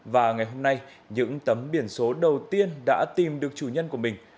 và ngày hôm nay những tấm biển số đầu tiên đã tìm được chủ nhân của mình